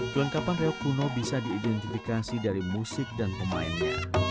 kelengkapan reok kuno bisa diidentifikasi dari musik dan pemainnya